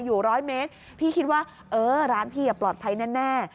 อยู่ร้อยเมตรพี่คิดว่าเออร้านพี่ปลอดภัยแน่